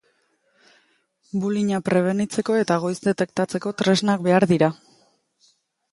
Bullyinga prebenitzeko eta goiz detektatzeko tresnak behar dira.